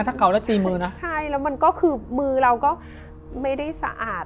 ถ้าเก่าแล้วตีมือนะใช่แล้วมันก็คือมือเราก็ไม่ได้สะอาด